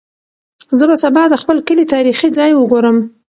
زه به سبا د خپل کلي تاریخي ځای وګورم.